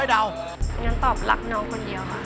อย่างนั้นตอบรักน้องคนเดียว